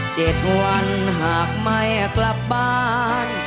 ๗วันหากไม่กลับบ้าน